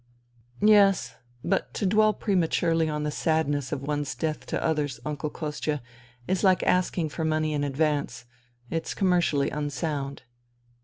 ..."" Yes. But to dwell prematurely on the sadness of one's death to others. Uncle Kostia, is like asking for money in advance. It's commercially unsound."